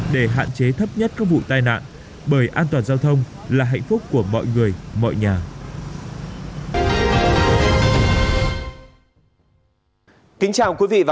để hạn chế thấp nhất các vụ tai nạn bởi an toàn giao thông là hạnh phúc của mọi người mọi nhà